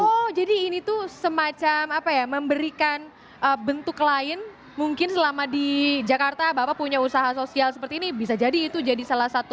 oh jadi ini tuh semacam apa ya memberikan bentuk lain mungkin selama di jakarta bapak punya usaha sosial seperti ini bisa jadi itu jadi salah satu